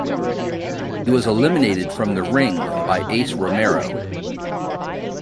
He was eliminated from the ring by Ace Romero.